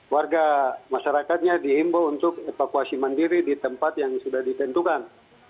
warga masyarakatnya dihimbau untuk evakuasi mandiri di tempat yang sudah ditentukan